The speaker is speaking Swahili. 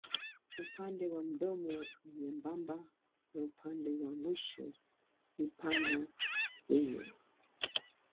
Upande wa mdomo ni nyembamba na upande wa mwisho ni pana yenye.